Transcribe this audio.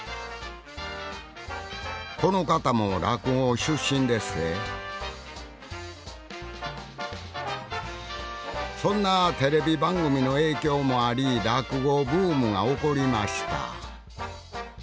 この方も落語出身でっせそんなテレビ番組の影響もあり落語ブームが起こりました